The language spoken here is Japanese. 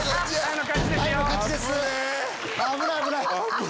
危ない危ない。